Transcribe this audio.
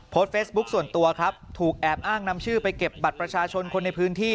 เฟซบุ๊คส่วนตัวครับถูกแอบอ้างนำชื่อไปเก็บบัตรประชาชนคนในพื้นที่